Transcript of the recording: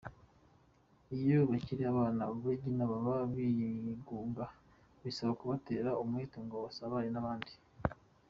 Iyo bakiri abana ba Regina baba bigunga, bisaba kubatera umwete ngo basabane n’abandi.